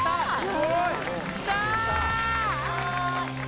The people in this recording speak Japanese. すごい。